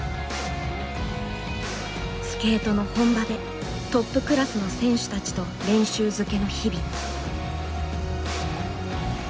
スケートの本場でトップクラスの選手たちと練習漬けの日々。